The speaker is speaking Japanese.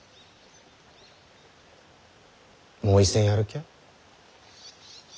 もう一戦やるきゃ？